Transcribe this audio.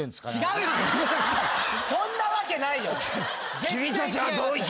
そんなわけない。